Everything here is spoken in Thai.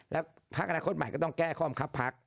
แล้วพักอนาคตใหม่ก็ต้องแก้ข้อมคับพัก